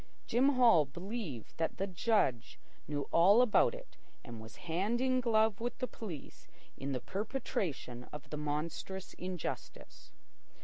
Jim Hall believed that the judge knew all about it and was hand in glove with the police in the perpetration of the monstrous injustice.